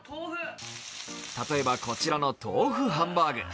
例えばこちらの豆腐ハンバーグ。